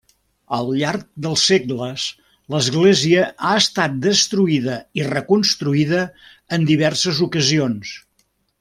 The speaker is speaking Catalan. Al llarg dels segles l'església ha estat destruïda i reconstruïda en diverses ocasions.